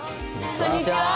こんにちは！